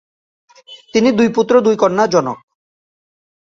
তিনি দুই পুত্র, দুই কন্যার জনক।